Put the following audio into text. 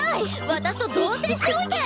私と同棲しておいて！